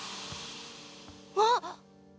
あっ！